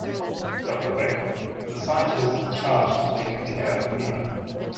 Doctor Beck: The scientist in charge of taking care of Mila.